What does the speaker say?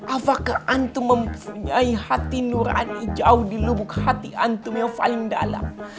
apakah antu mempunyai hati nurani jauh di lubuk hati antum yang paling dalam